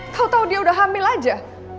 tau tau dia udah hamil aja